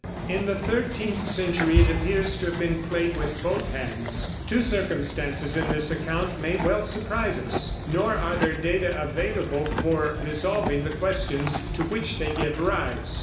In the thirteenth century it appears to have been played with both hands. Two circumstances in this account may well surprise us; nor are there data available for resolving the questions to which they give rise.